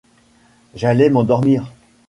J’allais m'endormir.